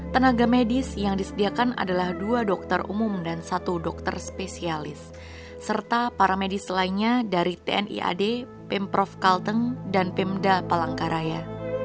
tenaga medis yang disediakan adalah dua dokter umum dan satu dokter spesialis serta para medis lainnya dari tni ad pemprov kalteng dan pemda palangkaraya